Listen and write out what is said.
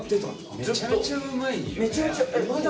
めちゃめちゃうまいんだ？